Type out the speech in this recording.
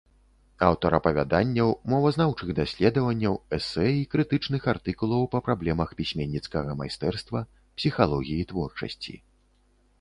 Аўтар апавяданняў, мовазнаўчых даследаванняў, эсэ і крытычных артыкулаў па праблемах пісьменніцкага майстэрства, псіхалогіі творчасці.